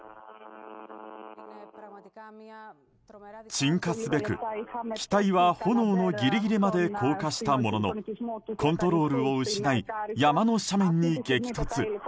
鎮火すべく、機体は炎のギリギリまで降下したもののコントロールを失い山の斜面に激突。